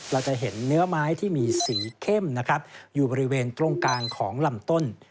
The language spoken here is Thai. เราจะเห็นเนื้อไม้ที่มีสีเข้มนะครับอยู่บริเวณตรงกลางของลำต้น